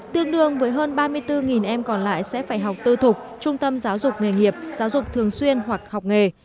tương đương với hơn ba mươi bốn em còn lại sẽ phải học tư thục trung tâm giáo dục nghề nghiệp giáo dục thường xuyên hoặc học nghề